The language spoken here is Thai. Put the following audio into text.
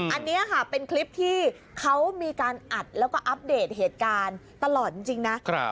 อันนี้ค่ะเป็นคลิปที่เขามีการอัดแล้วก็อัปเดตเหตุการณ์ตลอดจริงนะ